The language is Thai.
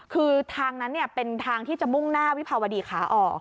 คือทางนั้นเป็นทางที่จะมุ่งหน้าวิภาวดีขาออก